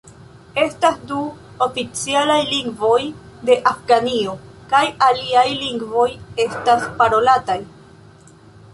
Estas du oficialaj lingvoj de Afganio, kaj aliaj lingvoj estas parolataj.